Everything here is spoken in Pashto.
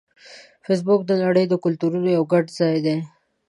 فېسبوک د نړۍ د کلتورونو یو ګډ ځای دی